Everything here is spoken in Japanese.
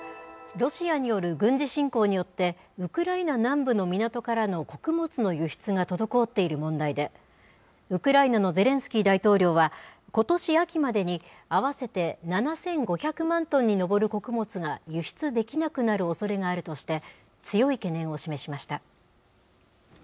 ロシアによる軍事侵攻によって、ウクライナ南部の港からの穀物の輸出が滞っている問題で、ウクライナのゼレンスキー大統領は、ことし秋までに合わせて７５００万トンに上る穀物が輸出できなくなるおそれがあるとして、強い懸念を示しました。